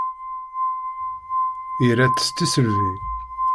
Ira-tt s tisselbi.